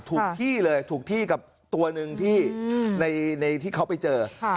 ถูกที่เลยถูกที่กับตัวหนึ่งที่ในที่เขาไปเจอ